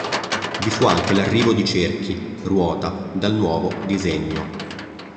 Vi fu anche l'arrivo di cerchi ruota dal nuovo disegno.